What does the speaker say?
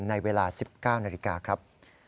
ในเวลา๑๙นาฬิกาครับ